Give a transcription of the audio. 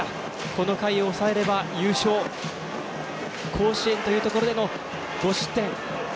この回、抑えれば優勝甲子園というところでの５失点。